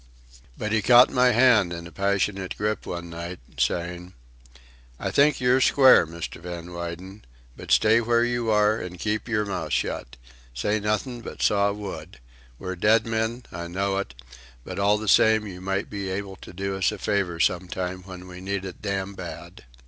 But he caught my hand in a passionate grip one night, saying: "I think yer square, Mr. Van Weyden. But stay where you are and keep yer mouth shut. Say nothin' but saw wood. We're dead men, I know it; but all the same you might be able to do us a favour some time when we need it damn bad."